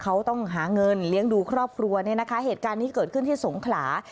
เขาต้องหาเงินเลี้ยงดูครอบครัวเนี่ยนะคะเหตุการณ์นี้เกิดขึ้นที่สงขลา